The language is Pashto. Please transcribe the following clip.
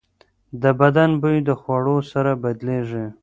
د بدن بوی د خوړو سره بدلېږي.